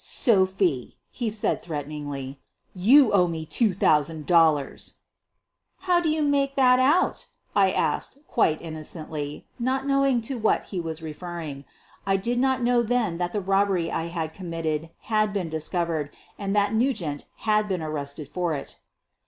" Sophie,' ' he said threateningly, "you owe me two thousand dollars !" "How do you make that out?" I asked quite in nocently, not knowing to what he was referring. I didn't know then that the robbery I had committed had been discovered and that Nugent had been ar rested for it.